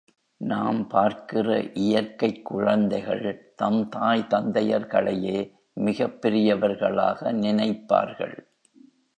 நாம் பார்க்கிற இயற்கைக் குழந்தைகள் தம் தாய் தந்தையர்களையே மிகப் பெரியவர்களாக நினைப்பார்கள்.